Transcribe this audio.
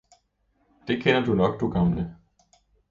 Det kender du nok, du gamle!